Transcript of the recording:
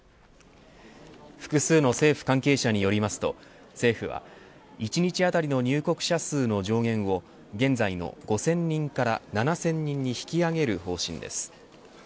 複数の政府関係者によりますと政府は１日当たりの入国者数の上限を現在の５０００人から７０００人に引き上げる方針です。